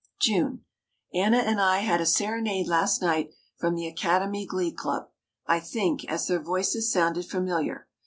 June. Anna and I had a serenade last night from the Academy Glee Club, I think, as their voices sounded familiar.